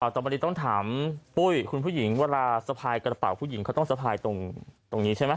ต่อไปนี้ต้องถามปุ้ยคุณผู้หญิงเวลาสะพายกระเป๋าผู้หญิงเขาต้องสะพายตรงนี้ใช่ไหม